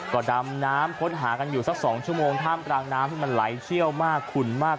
ก็ดำน้ำค้นหากันอยู่สัก๒ชั่วโมงท่ามกลางน้ำที่มันไหลเชี่ยวมากขุนมาก